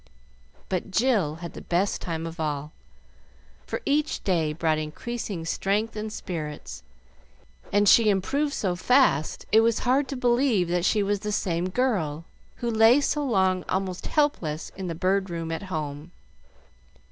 But Jill had the best time of all, for each day brought increasing strength and spirits, and she improved so fast it was hard to believe that she was the same girl who lay so long almost helpless in the Bird Room at home.